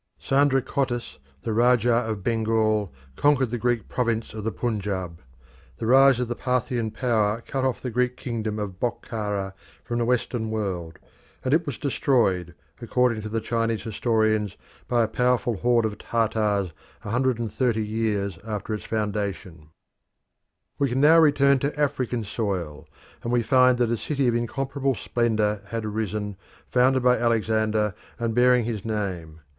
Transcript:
Sandracottus, the Rajah of Bengal, conquered the Greek province of the Punjab. The rise of the Parthian power cut off the Greek kingdom of Bokhara from the Western world, and it was destroyed, according to the Chinese historians, by a powerful horde of Tartars a hundred and thirty years after its foundation. Alexandria We can now return to African soil, and we find that a city of incomparable splendour has arisen, founded by Alexander and bearing his name.